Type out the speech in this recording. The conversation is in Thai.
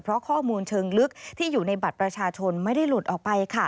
เพราะข้อมูลเชิงลึกที่อยู่ในบัตรประชาชนไม่ได้หลุดออกไปค่ะ